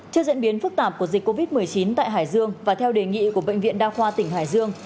trước diễn biến phức tạp của dịch covid một mươi chín tại hải dương và theo đề nghị của bệnh viện đa khoa tỉnh hải dương